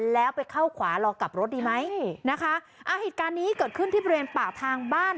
แล้วไปเข้าขวารอกลับรถดีไหมนะคะอ่าเหตุการณ์นี้เกิดขึ้นที่บริเวณปากทางบ้าน